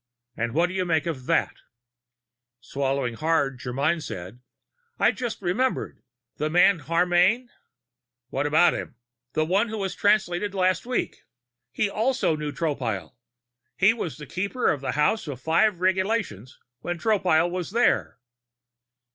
And what do you make of that?" Swallowing hard, Germyn said: "I just remembered. That man Harmane " "What about him?" "The one who was Translated last week. He also knew Tropile. He was the Keeper of the House of the Five Regulations when Tropile was there."